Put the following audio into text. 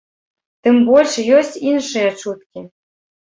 Тым больш, ёсць іншыя чуткі.